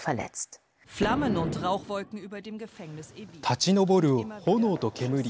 立ち上る炎と煙。